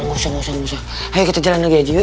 ayo kita jalan lagi aja yuk